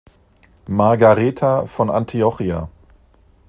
Margareta von Antiochia.